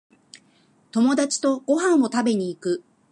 友達とご飯を食べに行く